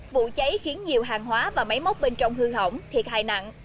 vụ cháy khiến nhiều hàng hóa và máy móc bên trong hư hỏng thiệt hại nặng